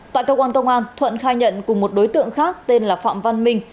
tại cơ quan công an thuận khai nhận cùng một đối tượng khác tên là phạm văn minh